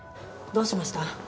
どうしました？